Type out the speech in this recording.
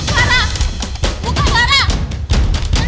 clara buka clara